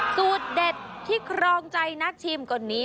สูตรเด็ดที่ครองใจนักชิมคนนี้